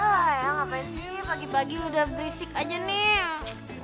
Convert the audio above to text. eh ngapain sih pagi pagi udah berisik aja nih